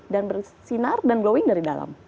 dan bersinar dan glowing dari dalam